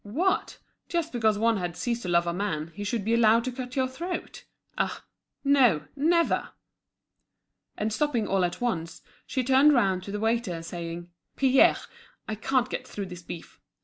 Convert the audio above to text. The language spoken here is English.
What! just because one had ceased to love a man, he should be allowed to cut your throat? Ah! no, never! And stopping all at once, she turned round to the waiter, saying: "Pierre, I can't get through this beef.